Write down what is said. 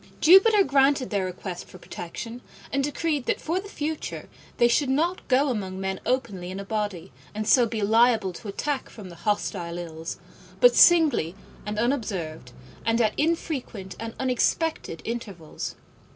Jupiter granted their request for protection, and decreed that for the future they should not go among men openly in a body, and so be liable to attack from the hostile Ills, but singly and unobserved, and at infrequent and unexpected intervals.